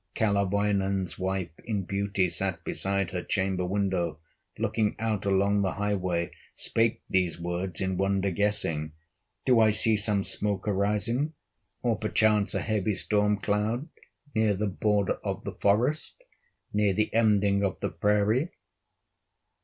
Kalerwoinen's wife in beauty Sat beside her chamber window, Looking out along the highway, Spake these words in wonder guessing: "Do I see some smoke arising, Or perchance a heavy storm cloud, Near the border of the forest, Near the ending of the prairie?"